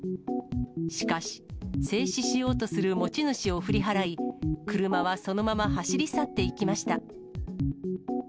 しかし、制止しようとする持ち主を振り払い、車はそのまま走り去っていきました。